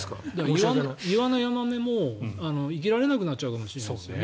イワナもヤマメも生きられなくなっちゃうかもしれないね。